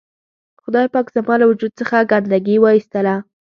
خدای پاک زما له وجود څخه ګندګي و اېستله.